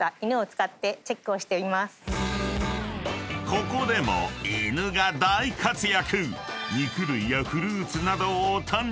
［ここでも犬が大活躍！］